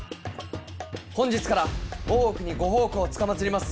本日から大奥にご奉公つかまつります